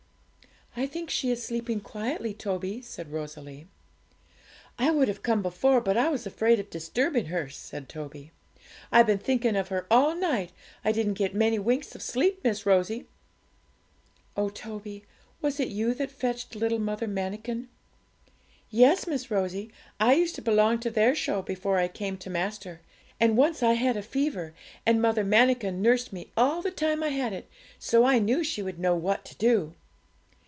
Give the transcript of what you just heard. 'I think she is sleeping quietly, Toby,' said Rosalie. 'I would have come before, but I was afraid of disturbing her,' said Toby. 'I've been thinking of her all night; I didn't get many winks of sleep, Miss Rosie!' 'Oh, Toby, was it you that fetched little Mother Manikin?' 'Yes, Miss Rosie; I used to belong to their show before I came to master; and once I had a fever, and Mother Manikin nursed me all the time I had it, so I knew she would know what to do.'